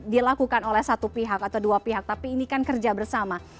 dilakukan oleh satu pihak atau dua pihak tapi ini kan kerja bersama